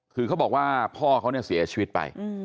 คือเขาบอกว่าพ่อเขาเนี่ยเสียชีวิตไป